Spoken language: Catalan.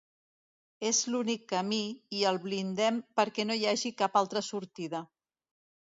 És l'únic camí i el blindem perquè no hi hagi cap altra sortida.